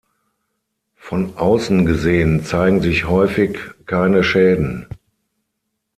Von außen gesehen zeigen sich häufig keine Schäden.